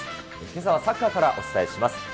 けさはサッカーからお伝えします。